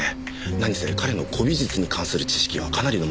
何せ彼の古美術に関する知識はかなりのものです。